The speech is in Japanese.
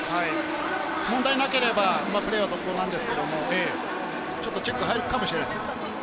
問題なければプレーは続行なんですけど、ちょっとチェックが入るかもしれないです。